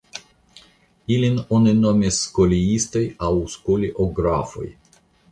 Ilin oni nomis "skoliistoj" aŭ "skoliografoj".